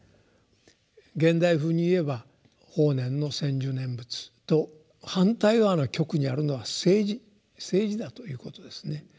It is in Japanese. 現代風に言えば法然の専修念仏と反対側の極にあるのは政治政治だということですね。